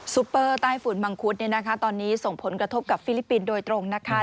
ปเปอร์ใต้ฝุ่นมังคุดตอนนี้ส่งผลกระทบกับฟิลิปปินส์โดยตรงนะคะ